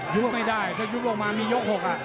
ยุบไม่ได้ถ้ายุบออกมามียก๖อ่ะ